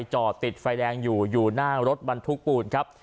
จอดติดไฟแดงอยู่อยู่หน้ารถบรรทุกปูนครับ